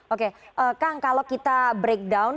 oke kang kalau kita breakdown